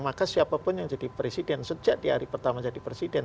maka siapapun yang jadi presiden sejak di hari pertama jadi presiden